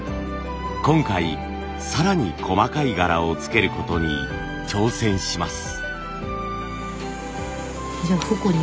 今回更に細かい柄をつけることに挑戦します。